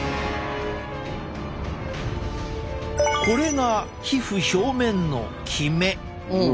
これが皮膚表面のキメ。